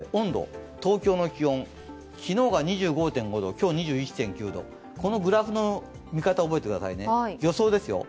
温度、東京の気温、昨日が２５．５度今日が２１．９度、このグラフの見方を覚えてくださいね、予想ですよ。